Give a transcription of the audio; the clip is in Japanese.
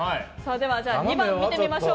じゃあ、２番を見てみましょう。